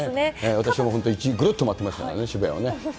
私も本当１周ぐるっと回ってますからね、渋谷をね。